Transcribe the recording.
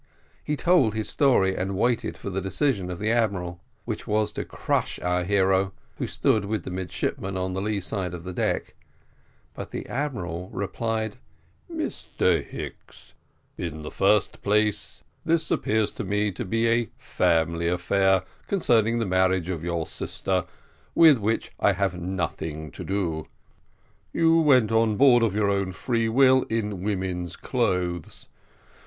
He told his story, and waited for the decision of the admiral, which was to crush our hero, who stood with the midshipmen on the lee side of the deck; but the admiral replied, "Mr Hicks, in the first place, this appears to me to be a family affair concerning the marriage of your sister, with which I have nothing to do. You went on board of your own free will in woman's clothes.